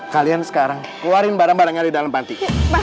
kalian sekarang keluarin barang barangnya di dalam panti